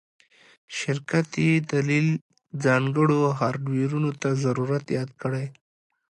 شرکت یی دلیل ځانګړو هارډویرونو ته ضرورت یاد کړی